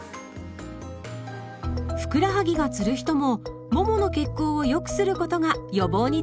ふくらはぎがつる人もももの血行を良くすることが予防につながります。